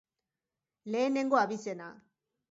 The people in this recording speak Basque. Lehenengo abizena.